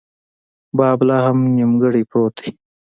باب لا هم نیمګړۍ پروت دی.